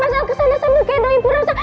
masal kesana sambil kedo ibu rosa